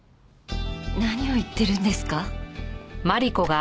何を言ってるんですか？